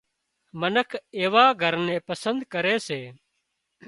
منک ايوا گھر نين پسند ڪري سي